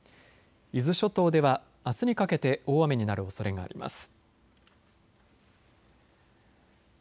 伊豆諸島ではあすにかけて大雨になるおそれがあります。